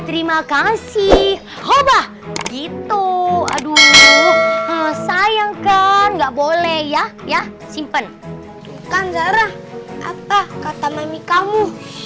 terima kasih oba gitu aduh sayangkan nggak boleh ya ya simpen kan zara apa kata memikamu